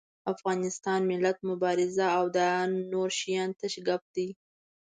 افغانستان، ملت، مبارزه او دا نور شيان تش ګپ دي.